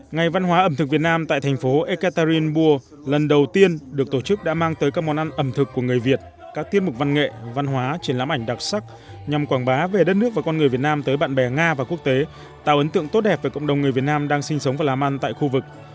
ngày văn hóa ẩm thực việt nam tại thành phố ekaterinburg lần đầu tiên được tổ chức đã mang tới các món ăn ẩm thực của người việt các tiết mục văn nghệ văn hóa triển lãm ảnh đặc sắc nhằm quảng bá về đất nước và con người việt nam tới bạn bè nga và quốc tế tạo ấn tượng tốt đẹp về cộng đồng người việt nam đang sinh sống và làm ăn tại khu vực